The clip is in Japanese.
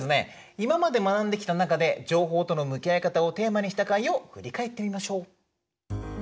今まで学んできた中で情報との向き合い方をテーマにした回を振り返ってみましょう。